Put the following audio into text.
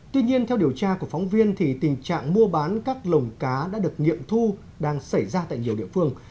tuy nhiên theo điều tra của phóng viên thì tình trạng mua bán các lồng cá đã được nghiệm thu đang xảy ra tại nhiều địa phương